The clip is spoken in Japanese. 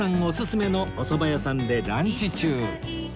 オススメのおそば屋さんでランチ中